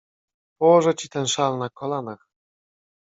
Położę ci ten szal na kolanach.